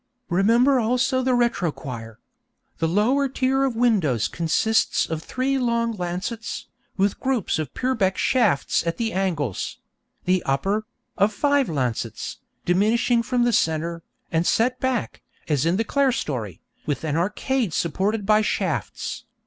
Remember also the retrochoir. The lower tier of windows consists of three long lancets, with groups of Purbeck shafts at the angles; the upper, of five lancets, diminishing from the centre, and set back, as in the clerestory, within an arcade supported by shafts.